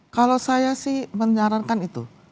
kalau saya sih menyarankan itu